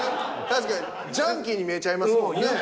確かにジャンキーに見えちゃいますもんね。